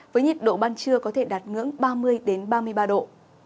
với nhiệt độ ban trưa có thể đạt ngưỡng ba mươi ba mươi ba độ